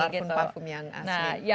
parfum parfum yang asli